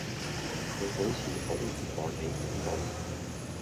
佢好似好唔妥你咁噃